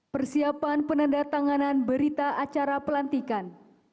persiapan penandatanganan berita acara pelantikan